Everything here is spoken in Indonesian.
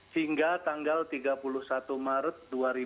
hingga tanggal tiga puluh satu maret dua ribu dua puluh